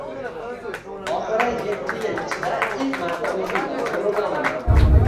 Oxirgi etti yil ichida ilk marta o`zimdan g`urulanaman